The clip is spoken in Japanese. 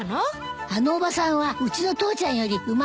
あのおばさんはうちの父ちゃんよりうまいわ。